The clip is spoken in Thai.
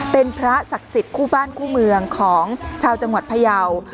เป็นพระศักดิ์สิทธิ์คู่บ้านคู่เมืองของชาวจังหวัดพยาว